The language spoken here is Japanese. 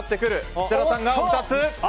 設楽さんが青２つ。